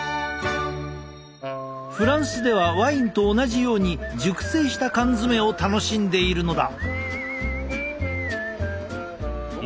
フランスではワインと同じように熟成した缶詰を楽しんでいるのだ。